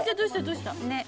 どうした？